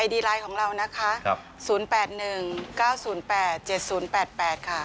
ดีไลน์ของเรานะคะ๐๘๑๙๐๘๗๐๘๘ค่ะ